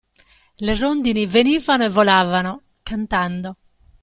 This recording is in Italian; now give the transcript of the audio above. Le rondini venivano e volavano, cantando.